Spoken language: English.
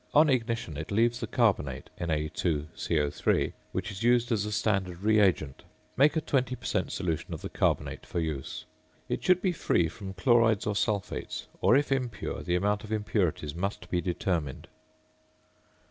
On ignition it leaves the carbonate (Na_CO_), which is used as a standard reagent. Make a 20 per cent. solution of the carbonate for use. It should be free from chlorides or sulphates, or if impure the amount of impurities must be determined.